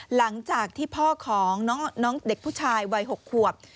หลังจากที่พ่อของน้องเด็กผู้ชายวัย๖ขวบ